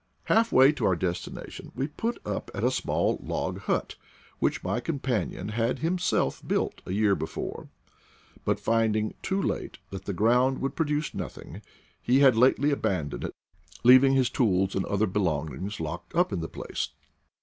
Half way to our destination we put up at a small log hut, which my companion had himself built a year before; but finding, too late, that the ground would produce nothing, he had lately aban doned it, leaving his tools and other belongings locked up in the place.